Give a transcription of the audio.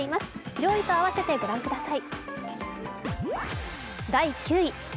上位と合わせて御覧ください。